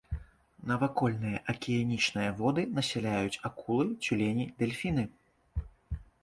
Навакольныя акіянічныя воды насяляюць акулы, цюлені, дэльфіны.